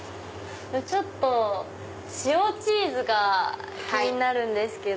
ちょっと塩チーズが気になるんですけど。